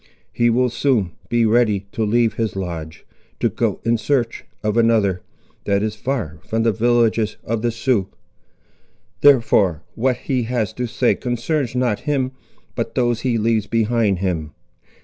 He will soon be ready to leave his lodge, to go in search of another, that is far from the villages of the Siouxes; therefore, what he has to say concerns not him, but those he leaves behind him.